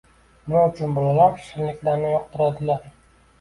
Nima uchun bolalar shirinliklarni yoqtiradilar.